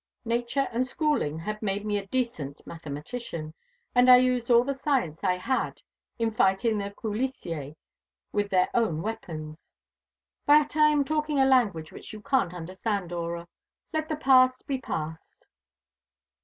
Nature and schooling had made me a decent mathematician, and I used all the science I had in fighting the coulissiers with their own weapons. But I am talking a language which you can't understand, Dora. Let the past be past.